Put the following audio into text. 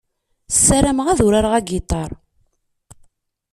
Sarameɣ ad urareɣ agiṭar.